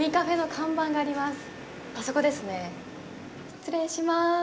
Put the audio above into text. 失礼します。